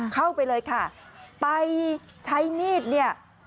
เข้าไปเลยค่ะไปใช้มีดเนี่ย